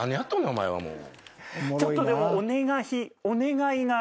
お前はもう。